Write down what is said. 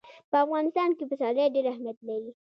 په افغانستان کې پسرلی ډېر اهمیت لري.